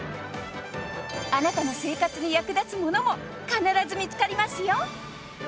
あなたの生活に役立つものも必ず見つかりますよ